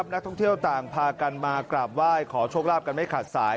นักท่องเที่ยวต่างพากันมากราบไหว้ขอโชคลาภกันไม่ขาดสาย